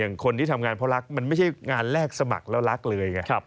คนที่ทำงานเพราะรักมันไม่ใช่งานแรกสมัครแล้วรักเลยไง